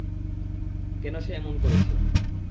কেন সে এমন করেছে।